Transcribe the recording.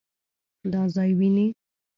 دا ځای وينې؟